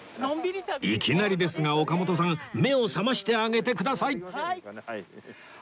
いきなりですが岡本さん目を覚ましてあげてください